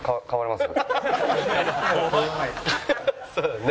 そうだね。